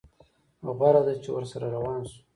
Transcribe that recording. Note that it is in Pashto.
غوره ده چې ورسره روان شو.